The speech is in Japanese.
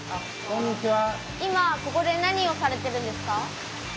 今ここで何をされてるんですか？